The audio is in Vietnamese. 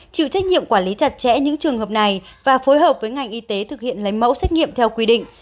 chịu trách nhiệm quản lý chặt chẽ những trường hợp này và phối hợp với ngành y tế thực hiện lấy mẫu xét nghiệm theo quy định